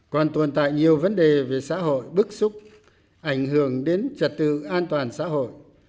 còn tồn tại nhiều vấn đề về xã hội bức xúc ảnh hưởng đến trật tự an toàn xã hội